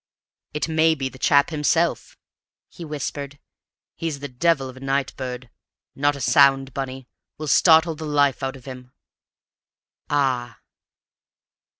"It may be the chap himself," he whispered. "He's the devil of a night bird. Not a sound, Bunny! We'll startle the life out of him. Ah!"